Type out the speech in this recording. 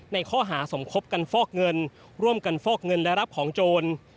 ในข้อหาสมคบกันฟอกเงินร่วมกันฟอกเงินและรับของโจร